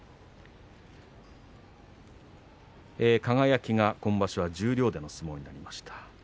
輝が今場所は十両での相撲になりました。